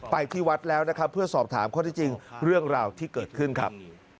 ที่วัดแล้วนะครับเพื่อสอบถามข้อที่จริงเรื่องราวที่เกิดขึ้นครับ